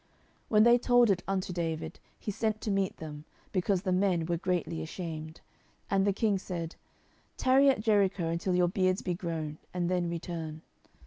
10:010:005 When they told it unto David, he sent to meet them, because the men were greatly ashamed: and the king said, Tarry at Jericho until your beards be grown, and then return.